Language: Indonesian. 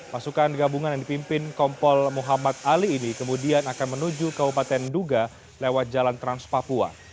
pasukan gabungan yang dipimpin kompol muhammad ali ini kemudian akan menuju kabupaten duga lewat jalan trans papua